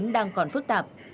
đang còn phức tạp